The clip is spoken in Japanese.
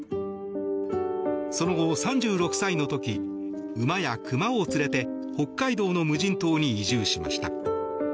その後、３６歳の時馬や熊を連れて北海道の無人島に移住しました。